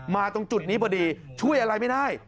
ตรงจุดนี้พอดีช่วยอะไรไม่ได้